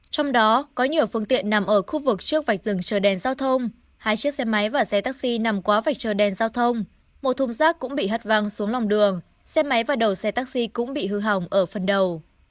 trong đó có nhiều phương tiện nằm ở khu vực trước vạch rừng chờ đèn giao thông hai chiếc xe máy và xe taxi nằm quá vạch chờ đèn giao thông một thùng rác cũng bị hất văng xuống lòng đường xe máy và đầu xe taxi cũng bị hư hỏng ở phần đầu